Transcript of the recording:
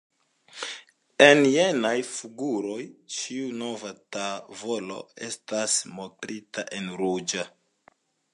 En jenaj figuroj, ĉiu nova tavolo estas montrita en ruĝa.